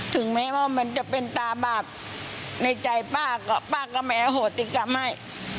ถึงแม้ว่ามันจะเป็นตาบาปในใจป้าก็ป้าก็ไม่อโหติกรรมให้